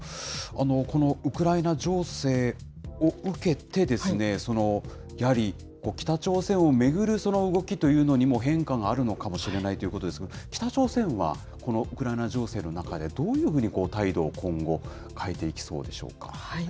このウクライナ情勢を受けてですね、やはり、北朝鮮を巡るその動きというのにも変化があるのかもしれないということですけれども、北朝鮮は、このウクライナ情勢の中で、どういうふうに態度を今後、変えていきそうでしょう